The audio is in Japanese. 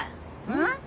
うん？